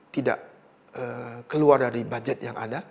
tidak keluar dari budget yang ada